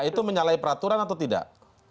itu menyalahi peraturan atau tidak